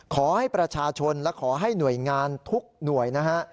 ขอให้ประชาชนและขอให้หน่วยงานทุกหน่วยนะฮะ